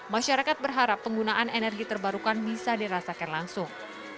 masyarakat berharap penggunaan energi terbarukan bisa dirasakan langsung